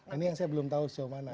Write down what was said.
ini yang saya belum tahu sejauh mana